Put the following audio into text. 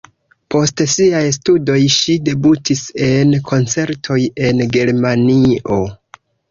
Post siaj studoj ŝi debutis en koncertoj en Germanio.